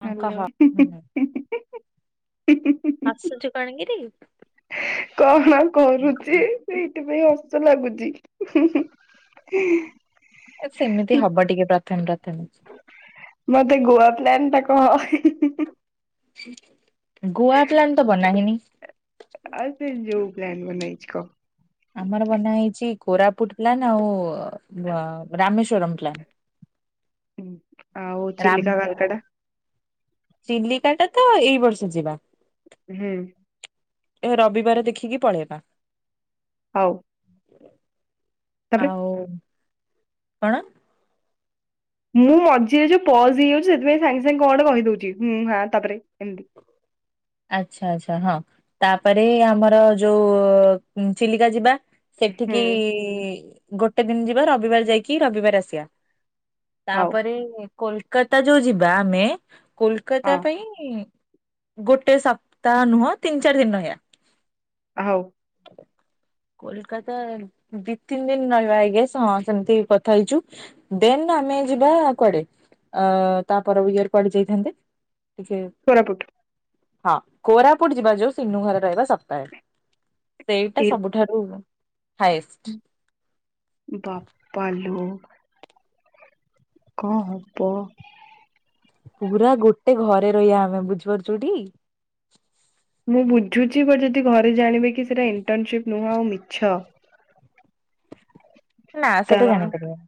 ହଁ ହ୍ୟାଲୋ। କହ। ହସୁଚୁ କାଣଗିରି? କଣ କରୁଛି ସେଇଥିପାଇଁ ହସ ଲାଗୁଚି ହୁଁ ହୁଁ ଏଁ। ଏ ସେମିତି ହବ ଟିକେ ପ୍ରଥମେ ପ୍ରଥମେ। ମୋ ପାଇଁ ଗୋଆ ପ୍ଲାନ ଟା କହ। ହିଁ ହିଁ ହିଁ। ଗୋଆ ପ୍ଲାନ ତ ବନାହେଇନି। ଆଉ ସେ ଯୋଉ ପ୍ଲାନ୍ ବନାହେଇଚି କ। ଆମର ବନା ହେଇଚି କୋରାପୁଟ ପ୍ଲାନ୍ ଆଉ ବ ରାମେଶ୍ଵରମ ପ୍ଲାନ। ଆଉ ରାମ ଚିଲିକା କାଲକାଟା? ଚିଲିକା ଟା ତ ଏଇ ବର୍ଷ ଯିବା। ହୁଁ। ଏ ରବିବାର ଦେଖିକି ପଳେଇବା। ହଉ। ତାପରେ ଆଉ କଣ? ମୁଁ ମଝିରେ ଯୋଉ ପଜ ହେଇଯାଉଛି ସେଥିପାଇଁ ସାଙ୍ଗେ ସାଙ୍ଗେ କଣ ଗୋଟେ କହି ଦଉଛି ହୁଁ ହାଁ ତାପରେ ଏମିତି। ଆଛା ଆଚ୍ଛା ହଁ ତାପରେ ଆମର ଯୋଉ ଚିଲିକା ଯିବା। ହୁଁ ସେଠିକି ଗୋଟେ ଦିନ ଯିବା ରବିବାର ଯାଇକି ରବିବାର ଆସିବା। ହଉ ତାପରେ କୋଲକାତା ଯୋଉ ଯିବା ଆମେ କୋଲକାତା ହଁ ପାଇଁ ଗୋଟେ ସପ୍ତାହ ନୁହଁ ତିନି ଚାରି ଦିନ ରହିଆ। ହଉ। କୋଲକାତା ଦି ତିନି ଦିନ ରହିବା ଆଗେ ହଁ ସେମିତି କଥା ହେଇଚୁ। ଦେନ୍ ଆମେ ଯିବା କୁଆଡେ ଅ ତା ପର ଇୟର କୁଆଡେ ଯାଇଥାନ୍ତେ? ଟିକେ କୋରାପୁଟ। ହଁ କୋରାପୁଟ ଯିବା ଯୋଉ ସିନୁ ଘରେ ରହିବା ସପ୍ତାହେ। ସେଇଟା ଏ ସବୁଠାରୁ ହଏଷ୍ଟ। ବାପାଲୋ। କଁ ହବ? ପୁରା ଗୋଟେ ଘରେ ରହିବା ଆମେ, ବୁଝିପାରୁଚୁ ଟି? ମୁଁ ବୁଝୁଛି ବା ଯଦି ଘରେ ଜାଣିବେ କି ସେଟା ଇଣ୍ଟର୍ନସିପ ନୁହଁ ଆଉ ମିଛ ନା ସେଟା ତା ଜାଣିପାରି ବେନି।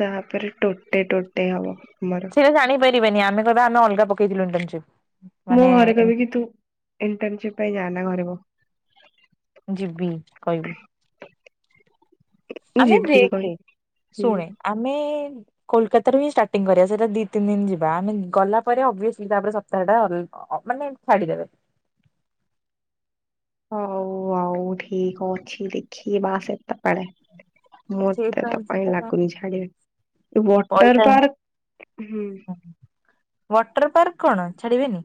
ତାପରେ, ଟୋଟେ ଟୋଟେ ହବ, ମ ସେ ଜାଣି ପାରିବେନି, ଆମେ କହିବା ଆମେ ଅଲଗା ପକେଇଥିଲୁ ଇଣ୍ଟର୍ନସିପ୍। ମୋ ଘରେ କହବେ କିି, ତୁ ଇଣ୍ଟର୍ନସିପ୍ ପାଇଁ ଯାଆନା ଘରେ ବସ୍। ଯିବି କହିବୁ। ଆମେ ଯିବି ଦେଖେ, କହିବି ଶୁଣେ ଆମେ କୋଲକାତାରୁ ହିଁ ଷ୍ଟାର୍ଟିଂ କରିବା। ସେଇଟା ଦିଇ ତିନି ଦିନ ଯିବା ଆମେ ଗଲା ପରେ ଅବ୍ୟୁସିଲି ତାପରେ ସପ୍ତାହଟା ଅ ମାନେ ଛାଡ଼ିଦେବେ। ହଉ ଆଉ ଠିକ୍ ଅଛି। ଦେଖିବା ସେତେବେଳେ। ମତେ ତ କାଇଁ ଲାଗୁନି ଛାଡିବେ, ଏ ପଇସା ୱାଟର ପାର୍କ ହୁଁ। ୱାଟର ପାର୍କ କଣ ଛାଡ଼ିବେନି?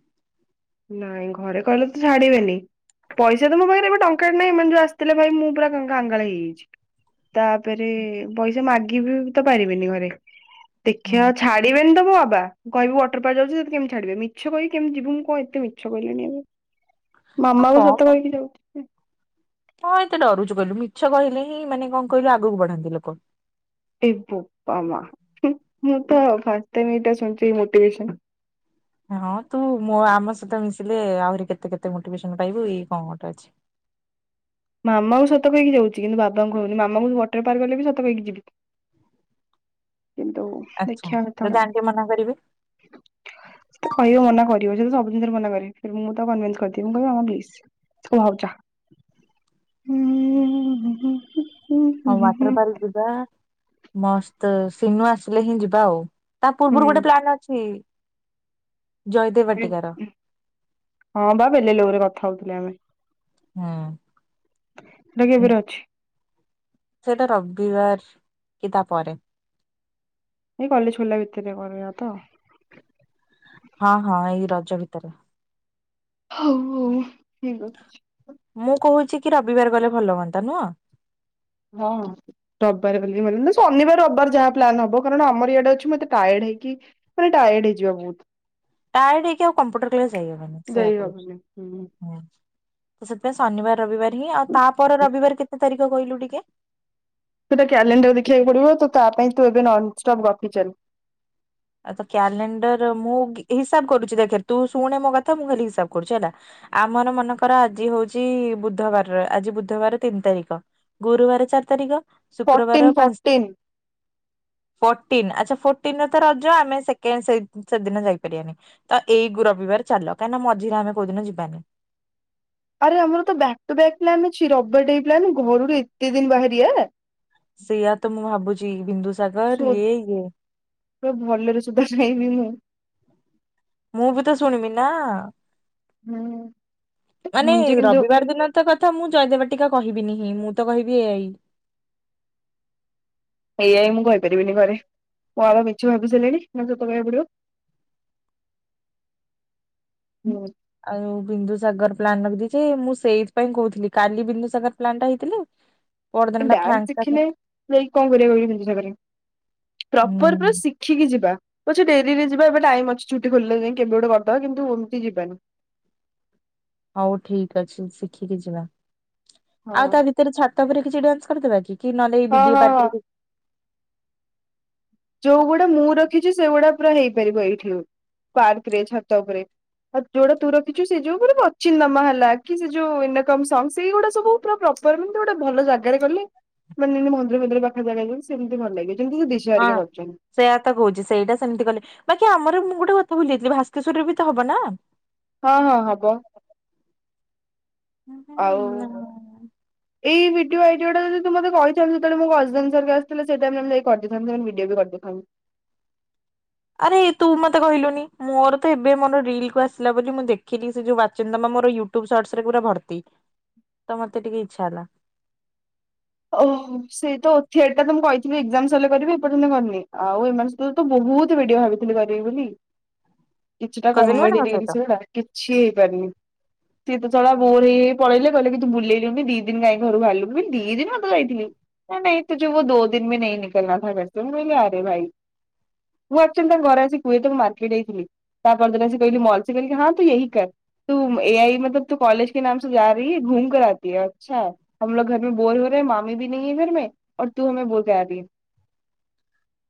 ନାଇଁ ଘରେ କହଲେେ ତ ଛାଡିବେନି। ପଇସା ତ ମୋ ପାଖରେ ଏବେ ଟଙ୍କାଟେ ନାହିଁ। ଏମାନେ ଯୋଉ ଆସିଥିଲେ ଭାଇ ମୁଁ ପୁରା କାଁ-କାଙ୍ଗାଳ ହେଇଯାଇଛି। ତାପରେ ପଇସା ମାଗିବି ତ ପାରିବିନି ଘରେ। ହୁଁ ଦେଖିବା ଛାଡିବେନି ତ ମୋ ବାବା କହିବି ୱାଟର ପାର୍କ ଯାଉଛି ସେ କେମତି ଛାଡିବେ। ମିଛ କହିବି କେମତି ଯିବୁ ମୁଁ କହି କେତେ ମିଛ କହିଲିଣି ଏବେ। ଆଉ ମାମାକୁ ସତ କହିକି ଯାଉଛି। କଣ ଏତେ ଡରୁଛୁ କହିଲୁ? ମିଛ କହିଲେ ହିଁ ମାନେ କଣ କହିଲୁ ଆଗକୁ ବଢନ୍ତି ଲୋକ। ଏ ବୋପା ମା। ମୁଁ ତ ଫାଷ୍ଟ ଟାଇମ ଏଇଟା ଶୁଣୁଛି ମୋଟିଭେସନ। ହଁ ତୁ ମୋ ଆମ ସହିତ ମିଶିଲେ ଆହୁରି କେତେ କେତେ ମୋଟିଭେସନ ପାଇବୁ ଏଇ କଣ ଗୋଟେ ଅଛି। ମାମାଙ୍କୁ ସତ କହିକି ଯାଉଛି। କିନ୍ତୁ ବାବାଙ୍କୁ କହୁନି, ମାମାଙ୍କୁଁ ୱାଟର ପାର୍କ ଗଲେ ବି ସତ କହିକି ଯିବି। କିନ୍ତୁ ଆଚ୍ଛା ଦେଖିବା ଯଦି କେତେବେଳେ ଆଣ୍ଟି ମନା କରିବେ ସେ କହିବ ମନା କରିବ, ସେ ସବୁ ଜିନିଷରେ ମନା କରିବେ, ମୁଁ ତ କନଭେନ୍ସ କରଦିଏ ମୁଁ କହିବି ପ୍ଲିଜ। [unintelligible] ହୁଁ ଉଁ-ହୁଁ ହୁଁ ହୁଁ। ଆଉ ୱାଟର ପାର୍କ ଯିବା। ମସ୍ତ ସିିନୁ ଆସିଲେ ହିଁ ଯିବା ଆଉ। ତା ପୂର୍ବରୁ ଗୋଟେ ପ୍ଲାନ ଅଛି। ଜୟଦେବ ବାଟିକାର। ହଁ ବା ବେଲେ ଲୋ ରେ କଥା ହଉଥିଲେ ଆମେ। ହଁ। ରେ ଅଛି। ସେଇଟା ରବିବାର କି ତା ପରେ। ଏଇ କଲେଜ୍ ଖୋଲିଲା ଭିତରେ କରିବା ତ। ହଁ ହଁ। ଏଇ ରଜ ଭିତରେ। ହଉ ହଉ, ଠିକ୍ ଅଛି। ମୁଁ କହୁଛି କି ରବିବାର ଗଲେ ଭଲ ହୁଅନ୍ତା ନୁହଁ? ହଁଁ ହଁ। ରବିବାର କରିବି ମରିବି, ଶନିବାର ରବିବାର ଯାହା ପ୍ଲାନ୍ ହବ କାରଣ ଆମର ଇଆଡେ ଅଛି ମୁ ଏତେ ଟାୟାର୍ଡ ହେଇକି ମାନେ ଟାୟାର୍ଡ ହେଇଯିବା ବୋହୁତ୍। ଟାୟାର୍ଡ ହେଇକି ଆଉ କମ୍ପ୍ୟୁଟର କ୍ଲାସ ଯାଇହବନି, ସେଇୟା ଯାଇ କହୁଛି। ହବନି ହୁଁ। ତ ସେଥିପାଇଁ ଶନିବାର ରବିବାର ହିଁ ଆଉ ତାପରେ ରବିବାର କେତେ ତାରିଖ କହିଲୁ ଟିକେ? ସେଟା କ୍ୟାଲେଣ୍ଡର ଦେଖିବାକୁ ପଡିବ। ତ ତା ପାଇଁ ତୁ ଏବେ ନନ୍ ଷ୍ଟପ୍ ଗପି ଚାଲ। ଆଉ ତ କ୍ୟାଲେଣ୍ଡର ମୁଁ ହିସାବ କରୁଛି ଦେଖ ତୁ ଶୁଣେ ମୋ କଥା ମୁଁ ଖାଲି ହିସାବ କରୁଛି ହେଲା ଆମର ମନେକର ଆଜି ହଉଛି ବୁଧବାର। ଆଜି ବୁଧବାର ତିନି ତାରିଖ। ଗୁରୁବାର ଚାରି ତାରିଖ। ଫର୍ଟିନ୍ ଶୁକ୍ରବାର ପାଞ୍ଚ ଫର୍ଟିନ୍ ଫର୍ଟିନ, ଆଚ୍ଛା ଫର୍ଟିନରେ ତ ରଜ ଆମେ ସେକେଣ୍ଡ, ସେ-ସେଦିନ ଯାଇପାରିବାନି। ତ ଏଇ ଗୁ- ରବିବାର ଚାଲ। କାଇଁନା ମଝିରେ ଆମେ କୋଉଦିନ ଯିବାନି। ଆରେ ଆମର ତ ବ୍ୟାକ୍ ଟୁ ବ୍ୟାକ୍ ପ୍ଳାନ ଅଛି ରବିବାର ଟା ବି ପ୍ଲାନ ଘରୁରୁ ଏତେ ଦିନ ବାହାରିଆ? ସେଇଆ ତ ମୁଁ ଭାବୁଛି, ବିନ୍ଦୁସାଗର ଇଏ ଇଏ ବୋହୁତ୍ ଭଲରେ ସୋଦା ଶୁଣିବି ମୁଁ। ମୁଁ ବି ତ ଶୁଣିବି ନା। ହୁଁ। ମାନେ ହୁଁ ଯେ କିନ୍ତୁ ରବିବାର ଦିନ ତ କଥା ମୁଁ ଜୟଦେବ ବାଟିକା କହିବିନ ହିଁ ମୁଁ ତ କହିବି ଏ ଆଇ। ଏ ଆଇ ମୁଁ କହିପାରିବିନି ଘରେ। ମୋ ବାବା ମିଛ ଭାବି ସାରିଲେଣି ମତେ ସତ କହିବାକୁ ପଡିବ। ହୁଁ। ଆଉ ବିନ୍ଦୁସାଗର ପ୍ଲାନ ରଖିଦେଇଚି। ମୁଁ ସେଇଥି ପାଇଁ କହୁଥିଲି କାଲି ବିନ୍ଦୁସାଗର ପ୍ଲାନ ଟା ହେଇଥିଲେ। [unintelligible] ପରଦିନ ଏ ଟା ଡ୍ୟାନ୍ସ ଫାଙ୍କା ଶିଖିଲେ ଥାନ୍ତା ଯାଇକି କଣ କରିବା କହିଲୁ ବିନ୍ଦୁସାଗରରେ। ପ୍ରପର ପୁରା ହୁଁ ଶିଖ ଖିକିକି ଯିବା। ପଛେ ଡେରିରେ ଯିବା ଏବେ ଟାଇମ୍ ଅଛି ଛୁଟି ଖୋଲିଲେ ଯାଇ କେବେ ଗୋଟେ କରିଦବା କିନ୍ତୁ ଏମିତି ଯିବାନି। ହଉ ଠିକ୍ ଅଛି ଶିଖିକି ଯିବା। ଆଉ ତା ହଁ। ଭିତରେ ଛାତ ଉପରେ କିଛି ଡ୍ୟାନ୍ସ କରିଦବା କି? କି ନହେଲେ ଏ ହଁ ବି ଡି ଏ ହଁ ହଁ ପାର୍କ ରେ? ଯୋଉଗୁଡା ମୁଁ ରଖିଚି ସେଗୁଡା ପୁରା ହେଇପାରିବ ଏଇଠି ପାର୍କ ରେ ଛାତ ଉପରେ। ଆଉ ଯୋଉଟା ତୁ ରଖିଚୁ ସେ ଯୋଉ ପୁରା ପଚିନାମା ହେଲା କି ସେ ଯୋଉ ଏନକମ ସଙ୍ଗ ସେଇ ଗୁଡା ସବୁ ପୁରା ପ୍ରପର ଏମିତି ଗୋଟେ ଭଲ ଜାଗାରେ କଲେ ମାନେ ଯେମିତି ମନ୍ଦର ଫନ୍ଦିର ପାଖ ଜାଗାକୁ ସେମିତି ଭଲ ଲାଗିବ। ଯେମତି ତୁ ଦିଶ୍ ହଁ ସେୟା ତ କହୁଚି। ସେଇଟା ସେମିତି କଲେ ବାକି ଆମର ବି ମୁଁ ଗୋଟେ ଗୋଟେ ଭୁଲି ଯାଇଥିଲି ଭାସ୍କେଶ୍ୱରରେ ବି ତ ହବ ନା? ହଁ ହଁ ହବ। ଆଉ ଏଇ ଭିଡିଓ ଆଇଡିଟା ଯଦି ତୁ ମତେ କହିଥାନ୍ତୁ ସେତେବେଳେ ମୋ କଜନସ୍ ହେରିକା ଆସିଥିଲେ ସେଇା ଟାଇମ ରେ ଆମେ ଯାଇ କରିଦେଇଥାନ୍ତେ ସେମାନେ ଭିଡିଓ ବି କରିଦେଇଥାନ୍ତେ। ଆରେ ତୁ ମତେ କହିଲୁନି ମୋର ତ ଏବେ ମୋର ରିଲ କୁ ଆସିଲା ବୋଲି ମୁଁ ଦେଖିଲି ସେ ଯୋଉ ବାଚିନ୍ଦମା ମୋର ୟୁ ଟୁବ୍ ସ୍ସର୍ଟ ରେ ପୁରା ଭର୍ତ୍ତି ତ ମତେ ଟିକେ ଇଚ୍ଛା ହେଲା। ଓଃହ ସେଇତ ଆଉ ଥିଏଟ ତ ମୁଁ କହିଥିଲି ଏଜାମ୍ ସରିଲେ କରିବି ଏପର୍ଯ୍ୟନ୍ତ କରିନି। ଆଉ ଏମାନେ ତୁ ତ ବହୁତ ଭଡିଓ ଭାବିଥିଲି କରିବି ବୋଲି କିଛିଟା କଜିନ କମେଡି ମାନଙ୍କ ସହିତ ରଲିସ୍ ଗୁଡ଼ା। କିଛି ହେଇପାରନି। ସିଏ ତ! ! ! ! ! ! ! ! ! ! ! ବୋର ହେଇ ହେଇ ପଳେଇଲେ କହିଲେ କି ତୁ ବୁଲେଇଲୁନି ଦି ଦିନ କାଇଁ ଘରୁ ବାହାରିଲୁନି। ମୁଁ କହିଲି ଦି ଦିନ କଣ ତ ଯାଇଥିଲି ନା ନାଇଁ [unintelligible] ମୁଁ କହିଲି ଆରେ ଭାଇ। ମୁଁ ଆକ୍ଚ୍ୟୁଅଲି ତାଙ୍କ ଘରେ ଆସି କୁହେ ତ ମୁଁ ମାର୍କେଟ ଯାଇ ଥିଲି। ତା ପରଦିନ ଆସି କହିଲି ମଲ୍ ସେ କହିଲେ କି ହଁ ତୁ। [unintelligible] ତୁ ଏ ଆଇ [unintelligible] ଆଚ୍ଛା। [unintelligible]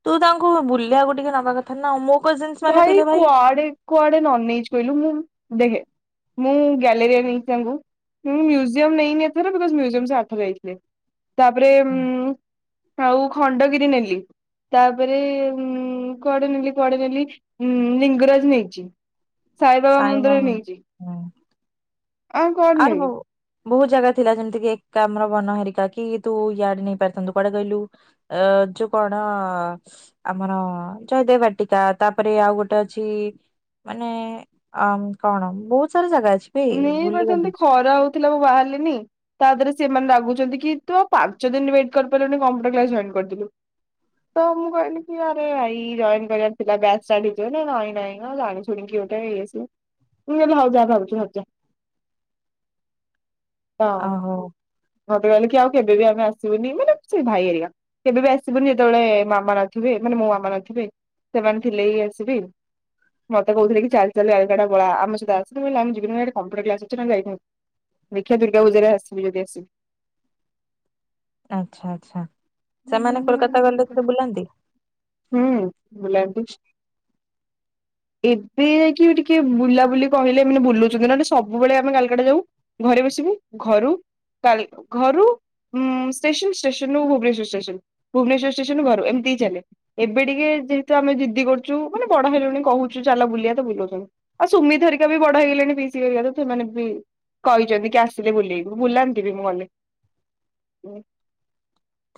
ତୁ ତାଙ୍କୁ ବୁଲିବାକୁ ଟିକେ ନବା କଥା ନା ମୋ କଜିିନସ ମାନେ ଥିଲେ ଭାଇ କୁଆଡେ ନ ନେଇଚି କହିଲୁ ମୁଁ ଦେଖେ ମୁଁ ଗ୍ୟାଲେରିୟାନ ନେଇଚି ତାଙ୍କୁ ମୁଁ ମ୍ୟୁଜିୟମ୍ ନେଇନି ଏଥର ବିକଜ ମ୍ୟୁଜିୟମ୍ ଆଥର ଯାଇଥିଲେ। ତା ପରେ ଉଁ ଆଉ ଖଣ୍ଡଗିରି ନେଲି। ତା ପରେ ଉଁ କୁଆଡେ ନେଲି କୁଆଡେ ନେଲି? ଉଁ ଲିଙ୍ଗରାଜ ନେଇଚି। ସାଇବାବା ସାଇ ମନ୍ଦିର ମାମୁନି ନେଇଚି। ଆର ନେବି। ବହୁ ବହୁତ ଜାଗା ଥିଲା ଯେମିତି କିି ଏକ୍ରାମବନ ହେରିକା କି ତୁ ୟାଡେ ନେଇ ପାରଥାନ୍ତୁ କୁଆଡେ କହିଲୁ? ଏ ଯୋଉ କଣ? ଆମର ଜୟଦେବ ବାଟିକା। ତା ପରେ ଆଉ ଗୋଟେ ଅଛି ମାନେ ଆଁ କଣ ବହୁତ ସାରା ଜାଗା ଅଛି। ବେ ନେଇ ଭୁଲିଗଲି ପାରିଥାନ୍ତି ଖରା ହଉଥିଲା ମୁଁ ବାହାରିଲିନି। ତା ଧେରେ ସେମାନେ ରାଗୁଚନ୍ତି କି ତୁ ଆଉ ପାଞ୍ଚ ଦିନ ୱେଟ କରି ପାରୁଲୁନି କମ୍ପ୍ୟୁଟର୍ କ୍ଲାସ୍ ଜଏନ କରିଦେଲୁ। ତ ମୁଁ କହିଲି କି ଆରେ ଭାଇ ଜଏନ କରିବାର ଥିଲା ବ୍ୟାଚ୍ ଷ୍ଟାର୍ଟ ହେଇଯିବ। ନା ନାଇଁ ନାଇଁ ଆମେ ଜାଣିଚୁ। ଠୁଣିକି ଗୋଟେ ଇଏ ସିଏ ମୁଁ କହିଲି ହଉ ଯାହା ଭାବୁଚୁ ଭାବ। ଯା ତ ଓହୋ ମତେ କହିଲେ କି ଆଉ କେବେ ବି ଆମେ ଆସିବୁନି ମାନେ ସେଇ ଭାଇ ହେରିଆ। କେବେ ବି ଆସିବୁନି ଯେତେବେଳେ ମାମା ନଥିବେ ମାନେ ମୋ ମାମା ନଥିବେ। ସେମାନେ ଥିଲେ ହି ଆସିବି। ମତେ କହୁଥିଲେ କି ଚାଲ ଚାଲ କାଲକାଟା ପଳା ଆମ ସହିତ ଆସେ। ମୁଁ କହିଲି ନାଇଁ ଯିବିନି ଆଡ଼େ କମ୍ପୁଟର କ୍ଲାସ ଅଛି ନା ଯାଇି ଦୁଗାୂଜାରେ ଆସିବି ଯି ଆସିବି। ଆଚ୍ଛା ଆଚ୍ଛା ସେମାନେ କୋଲକାତା ଗଲେ ସେରେ ବୁଲାନ୍ତି। ହୁଁ ବୁଲନ୍ତି। ଏବେ ଯାଇକି ଟିକେ ବୁଲାବୁଲି କହିଲେ ଏାନେ ବୁଛନ୍ତି। ସବୁବେଳେ ଆମେ କାଲକାଟା ଯାଉ ଘରେ ବସିବୁ ଘରୁ। କାଲି ଘରୁ ଷ୍ଟେସନ ଷ୍ଟେସନୁ ଭୁବନେଶ୍ର ଷ୍ଟେସନ। ଭୁବନେଶ୍ୱର ଷ୍ଟେସନ ଘରୁ ଏମିତି ହି ଚାଲେ। ଏବେ ଟିକେ ଯେହେତୁ ଆମେିଦି କରୁଛୁ ମାନେ ବଡ ହେଲୁଣି କହୁଛୁ ଚାଲ ବୁଲିବା ତ ବୁଲଉଛନ୍ତି। ଆଉ ସୁମିତ ଧରିକା ବି ବଡ ହେଇଗଲେଣି। ସିଏ ୟାଡୁ ସେମାନେ ବି କହିଚନ୍ତି କି ଆସିଲେ ବୁଲେଇବୁ ବୁଲାନ୍ତି ବି ମୁଁ ଗଲେ। ହୁଁ।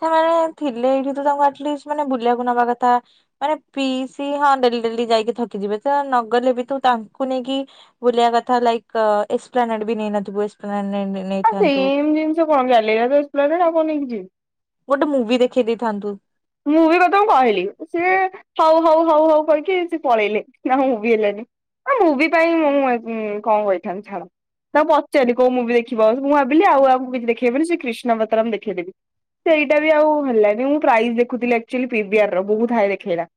ସେମାନେ ଥିଲେ ଏଇଠି ତ ତାଙ୍କୁ ଆଟଲିଷ୍ଟ ମାନେ ବୁଲିଆକୁ ନବା କଥା ମାନେ ପିଇସି ହଁ ଡେଲି ଡେଲି ଯାଇକି ଥକିଯିବେ ତ ନଗଲେ ବି ତୁ ତାଙ୍କୁ ନେଇକି ବୁଲିବା କଥା ଲାଇକ୍ ଏକ୍ସପ୍ଲାନେଟ୍ ବି ନେଇନଥୁବୁ ଏସପ୍ଲାନେଟ୍ ନେଇ ଆଉ ସେମ ଜିନଷ କଣ ଜାଣଲେ [unintelligible] ତ ଏକ୍ସପ୍ଲାନେଟ୍ ଆଉ କଣ ନେଇକି ଯିବି। ଗୋଟେ ମୁଭି ଦେଖେଇ ଦେଇଥାନ୍ତୁ। ମୁଭି କଥା ମୁଁ କହିଲି ସିଏ ହୋଉ ହୋଉ ହୋଉ ହୋଉ କହିକି ସେ ପଳେଇଲେ ଆମ ମୁଭି ହେଲାନି। ଆ ମୁଭି ପାଇଁ ମୁଁ ଆଜ ଉଁ କଣ କହିଥାନ୍ତି ଛାଡ। ତାଙ୍କୁ ପଚାରଲି କୋଉ ମୁଭି ଦେଖିବ ମୁଁ ଭାବିଲି ଆଉ ଆମୁକୁ କିଛି ଦେଖେଇବେନି ସେଇ କ୍ରୀଷ୍ଣବତାରମ୍ ଦେଖେଇ ଦେବି। ସେଇଟା ବି ଆଉ ହେଲାନି ମୁଁ ପ୍ରାଇଜ ଦେଖୁଥି ଆକଚୁଆଲି ପିବିଅର୍ ର ବହୁତ ହାଇ ଦେଖେଇଲା।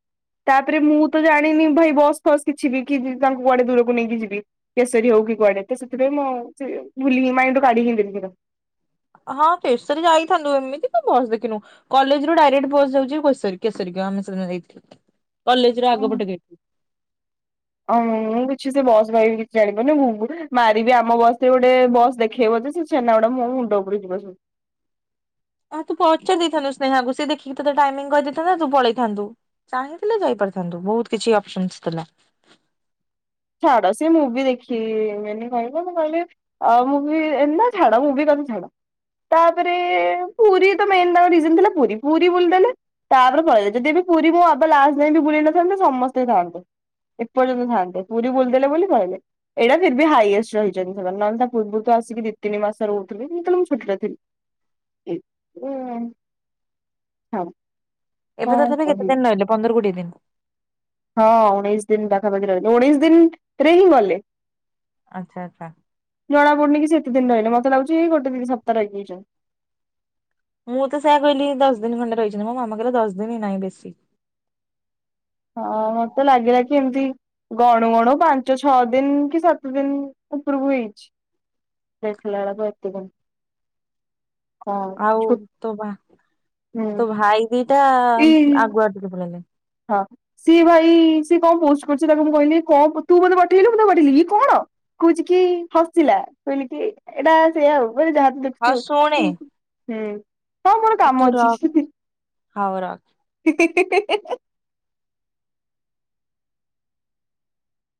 ତାପରେ ମୁଁ ତ ଜାଣିନି ଭାଇ ବସ୍ ଫସ୍ କିଛିିବି କି ତାଙ୍କୁ କୁଆଡେ ଦୂରକୁ ନେଇକି ଯିବି। କେଶରୀ ହୋଉ କି କୁଆଡେ ତ ସେଥିପାଇଁ ମୁଁ ସିଏ ଭୁଲି ହିଁ ମାଇଣ୍ଡୁ କାଢି ହିଁ ଦେଲି। [unintelligible] ହଁ କେସରୀ ଯାଇଥାନ୍ତୁ ଏମିତି ତୁ ବସ ଦେଖିନୁ। କଲେଜରୁ ଡାଇରେକ୍ଟ ବସ୍ ଯାଉଚି ପେଶରି କେଶରୀକି ଆମେ ସେଦିନ ଯାଇଥିଲୁ କଲେଜର ଆଗ ପଟ ଗେ ଓଁ ମୁଁ କିଛି ସେ ବସ୍ ଭାଇ କିଛି ଜାଣିପାରୁନେଇ ମୁଁ ମାରିବି ଆମ ବସରେ ଗୋଟେ ବସ୍ ଦେଖେଇବ ଯେ ସିଏ ଛେନାଗୁଡ଼ା ମୋ ମୁଣ୍ଡ ଉପରୁ ଯିବ ସବୁ। ଆଉ ତୁ ପଚାରି ଦେଇଥାନ୍ତୁ ସ୍ନେହାକୁ ସେ ଦେଖିକି ତତେ ଟାଇମିଂ କହିଦେଇଥାନ୍ତା ତୁ ପଳେଇଥାନ୍ତୁ। ଚାହିଁଥିଲେ ଯାଇପାରିଥାନ୍ତୁ ବୋହୁତ କିଛି ଅପସନନସ୍ ଥିଲା। ଛାଡ ସିଏ ମୁଭି ଦେଖିବେନି କହିଲେ ମୁଁ କହିଲି ଅ ମୁଭି ଏ ନା ଛାଡ ମୁଭିି କଥା ଛାଡ। ତାପରେ ପୁରୀ ତ ମେନ୍ ତାଙ୍କ ରିଜିନ୍ ଥିଲା ପୁରୀ ପୁରୀ ବୁଲିଦେଲେ ତାପରେ ପଳେଇଲେ ଯଦି ବି ପୁରୀ ମୁଁ ଅଧା ଲାଷ୍ଟ ଯାଏ ବି ବୁଲେଇ ନଥାନ୍ତେ ସମସ୍ତେ ଥାନ୍ତେ। ଏପର୍ଯନ୍ତ ଥାଆନ୍ତେ ପୁରୀ ବୁଲଦେଲେ ବୋଲି ପଳେଇଲେ। ଏଇଟା ଫିରବି ହାଇଏଷ୍ଟ ରହିଚନ୍ତି ସେମାନେ ନହେଲେ ତା ପୂର୍ବରୁ ତ ଆସିକି ଦି ତିନି ମାସ ରହୁଥୁଲେ [unintelligible] ଯେତୋଳେ ମୁଁ ଛୋଟଟା ଥିଲି। ଉ ଉଁ ହଁ। ଏବେ ତଥାପି କେତେ ଦିନ ନାଇଲେ ପନ୍ଦର କୋଡିଏ ଦିନ? ହଁ ଉଣେଇଶ ଦିନ ପାଖାପାଖି ରହିଲେ ଉଣେଇଶ ଦିନ ରେ ହିଁ ଗଲେ। ଆଚ୍ଛା ଆଚ୍ଛା। ଜଣା ପଡୁନି କି ସେ ଏତେ ଦିନ ରହିଲେ ମତେ ଲାଗୁଚି ଗୋଟେ ଦି ସପ୍ତାହ ହେଇଯାଇଛନ୍ତି ମୁଁ ତ ସେୟା କହିଲି କି ଦଶ ଦିନ ଖଣ୍ଡେ ରହିଛନ୍ତି ମ ମାମା କହିଲା ଦଶ ଦିନି ନାହିଁ ବେଶୀ। ହଁ ମତେ ଲାଗିଲା କି ଏମିତି ଗଣୁ ଗଣୁ ପାଞ୍ଚ ଛଅ ଦିନି କି ସାତ ଦିନ ଉପରକୁ ହେଇଚି। ଦେଖିଲା ବେଳକୁ ଏତିକି ଆଉ ଛୁ ତୋ ଭା ହୁଁ ତୋ ଭାଇ ଦିଟା ଏଇ ଆଗୁଆ ଟିକେ ପଳେଇଲେ। ହଁ। ସିଏ ଭାଇ ସିଏ କଣ ପୋଷ୍ଟ କରୁଛି ତାକୁ ମୁଁ କହିଲି କଣ ପଠେଇବୁ ବୋଲି ପଠେଇନୁ ମୁଁ କହିଲି ଇଏ କଣ। କୋଉଚି କି ହସିଲା କହିଲି କି ଏଇଟା ସେଏ ଆଉ ଯାହା ହଉ ଶୁଣେ ହୁଁ ହଁ ମୋର ତୁ କାମ ରଖ ଅଛି। ହଉ ରଖ ହିଁ ହିଁ ହିଁ ହିଁ ହିଁ ହିଁ।